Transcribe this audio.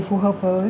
phù hợp với